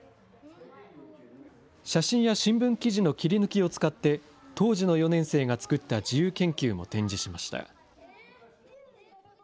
写真や新聞記事の切り抜きを使って当時の４年生が作った自由研究も展示しました。